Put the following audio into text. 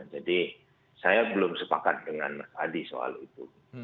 jadi saya belum sepakat dengan adi soal itu